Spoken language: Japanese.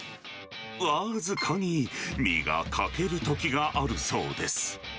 僅かに身が欠けるときがあるそうです。